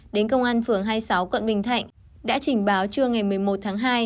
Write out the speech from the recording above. đến công an phường hai mươi sáu quận bình thạnh đã trình báo trưa ngày một mươi một tháng hai